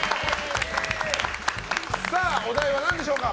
お題は何でしょうか？